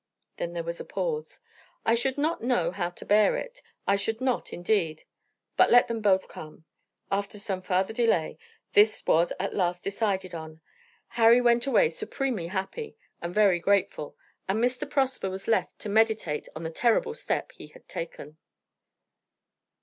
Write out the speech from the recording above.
Then there was a pause. "I should not know how to bear it, I should not, indeed. But let them both come." After some farther delay this was at last decided on. Harry went away supremely happy and very grateful, and Mr. Prosper was left to meditate on the terrible step he had taken.